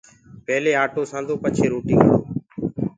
پيلي آٽو سآندو پڇي روٽيٚ گھڙو